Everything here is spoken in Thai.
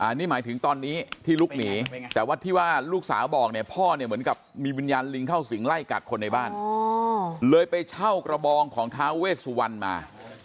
นี่หมายถึงตอนนี้ที่ลุกหนีแต่ว่าที่ว่าลูกสาวบอกเนี่ยพ่อเนี่ยเหมือนกับมีวิญญาณลิงเข้าสิงไล่กัดคนในบ้านเลยไปเช่ากระบองของท้าเวสวรรณมา